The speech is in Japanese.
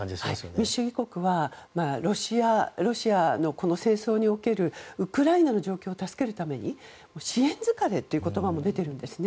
民主主義国はロシアのこの戦争におけるウクライナの状況を助けるために支援疲れという言葉も出てるんですね。